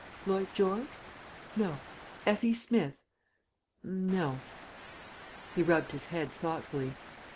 Lloyd George? No. F. E. Smith? N no...." He rubbed his head thoughtfully.